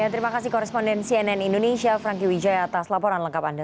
terima kasih koresponden cnn indonesia franky wijaya atas laporan lengkap anda